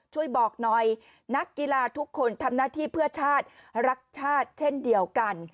ช่วยบอกหน่อยนักกีฬาทุกคนทำหน้าที่เพื่อชาติรักชาติเช่นเดียวกัน